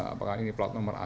apakah ini plat nomor a